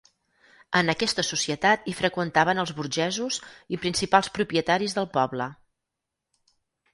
En aquesta societat hi freqüentaven els burgesos i principals propietaris del poble.